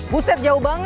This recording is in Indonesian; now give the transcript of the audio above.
buset jauh banget